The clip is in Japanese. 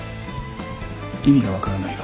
意味がわからないが。